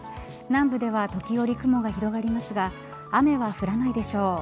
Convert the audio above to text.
南部では時折、雲が広がりますが雨は降らないでしょう。